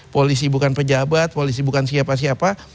polisi bukan pejabat polisi bukan siapa siapa